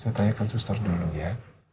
saya tanyakan suster dulu ya